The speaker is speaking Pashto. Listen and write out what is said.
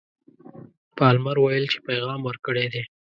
پالمر ویل چې پیغام ورکړی دی.